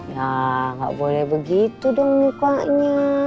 ya nggak boleh begitu dong mukanya